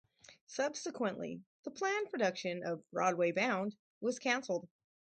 Subsequently, the planned production of "Broadway Bound" was cancelled.